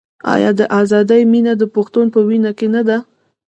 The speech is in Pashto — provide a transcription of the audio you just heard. آیا د ازادۍ مینه د پښتون په وینه کې نه ده؟